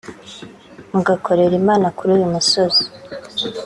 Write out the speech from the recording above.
mugakorera Imana kuri uyu musozi